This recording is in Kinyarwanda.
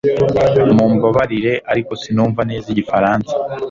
Mumbabarire ariko sinumva neza igifaransa